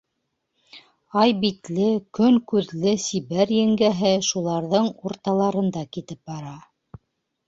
Ай битле, көн күҙле сибәр еңгәһе шуларҙың урталарында китеп бара.